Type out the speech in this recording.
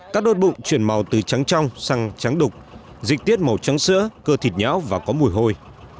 các đôi bụng chuyển màu từ trắng trong sang trắng đục dịch tiết màu trắng sữa cơ thịt nhão và có mùi hôi